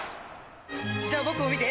「じゃあ僕を見て。